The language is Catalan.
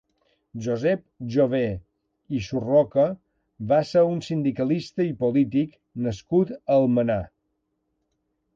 Josep Jové i Surroca va ser un sindicalista i polític nascut a Almenar.